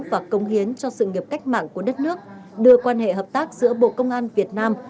và công hiến cho sự nghiệp cách mạng của đất nước đưa quan hệ hợp tác giữa bộ công an việt nam